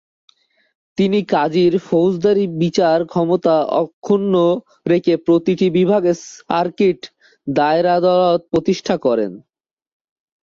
তিনি কাজীর ফৌজদারি বিচার ক্ষমতা অক্ষুন্ন রেখে প্রতি বিভাগে সার্কিট দায়রা আদালত প্রতিষ্ঠা করেন।